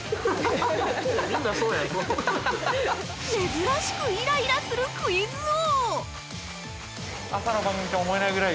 ◆珍しくイライラするクイズ王。